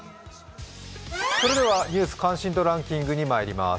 ニュース関心度ランキングにまいります。